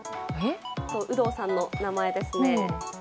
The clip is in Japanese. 有働さんの名前ですね。